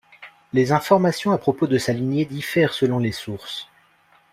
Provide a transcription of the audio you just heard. Les informations à propos de sa lignée diffèrent selon les sources.